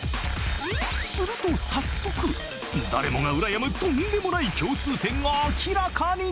［すると早速誰もがうらやむとんでもない共通点が明らかに］